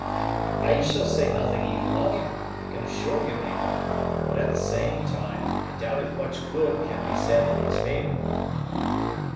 "I shall say nothing evil of him, I can assure you, Mabel; but, at the same time, I doubt if much good can be said in his favor."